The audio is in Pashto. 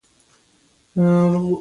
ګونډې یې په ځمکه ولګېدې.